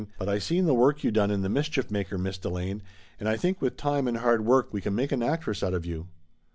But I seen the work you done in The Mischief Maker, Miss Delane, and I think with time and hard work we can make an actress out of you!"